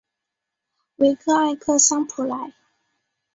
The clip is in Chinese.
维克埃克桑普莱。